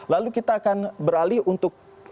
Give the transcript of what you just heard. lalu kita akan beralih untuk